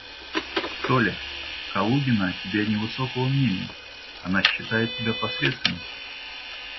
Толя, Калугина о тебе невысокого мнения, она считает тебя посредственностью.